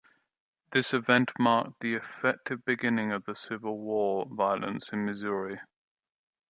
This event marked the effective beginning of Civil War violence in Missouri.